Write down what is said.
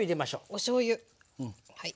おしょうゆはい。